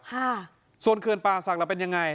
ค่ะส่วนเขื่อนป่าศักดิ์เราเป็นยังไง